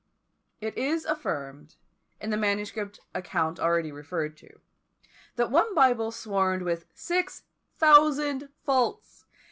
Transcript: It is affirmed, in the manuscript account already referred to, that one Bible swarmed with six thousand faults!